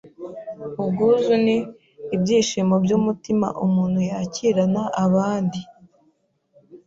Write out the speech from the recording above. Ubwuzu ni ibyishimo by’umutima umuntu yakirana abandi